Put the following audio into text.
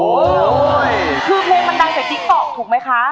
คือเพลงมันดังจากติ๊กต๊อกถูกไหมคะ